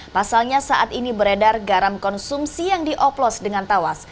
pasalnya saat ini beredar garam konsumsi yang dioplos dengan tawas